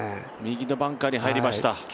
右のバンカーに入りました。